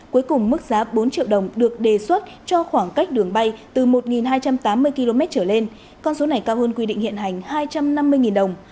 cuối cùng mức giá bốn triệu đồng được đề xuất cho khoảng cách đường bay từ một hai trăm tám mươi km trở lên con số này cao hơn quy định hiện hành hai trăm năm mươi đồng